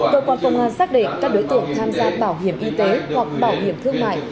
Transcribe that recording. cơ quan công an xác định các đối tượng tham gia bảo hiểm y tế hoặc bảo hiểm thương mại